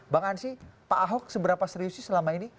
bang ansi pak ahok seberapa serius sih selama ini